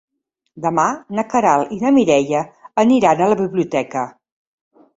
Demà na Queralt i na Mireia aniran a la biblioteca.